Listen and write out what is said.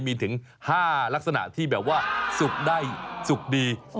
มีถึง๕ลักษณะที่สุกใดสุกดี